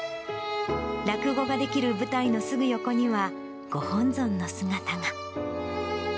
落語ができる舞台のすぐ横には、ご本尊の姿が。